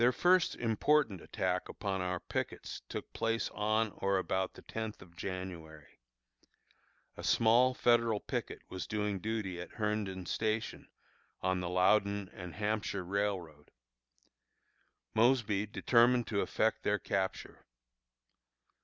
Their first important attack upon our pickets took place on or about the tenth of January. A small Federal picket was doing duty at Herndon Station, on the Loudon and Hampshire Railroad. Mosby determined to effect their capture.